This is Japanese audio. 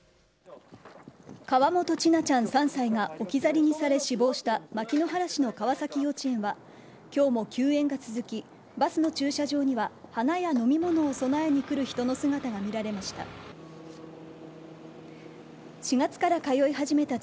河本千奈ちゃん、３歳が置き去りにされ死亡した牧之原市の川崎幼稚園は今日も休園が続きバスの駐車場には花や飲み物を供えに来る人の姿が見られました。